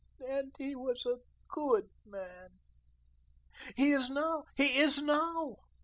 And he was a GOOD man. He is now, he is now.